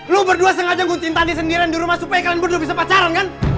lo berdua sengaja gunting tadi sendirian di rumah supaya kalian berdua bisa pacaran kan